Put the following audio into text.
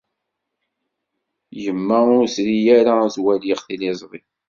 Yemma ur tri ara ad waliɣ tiliẓri.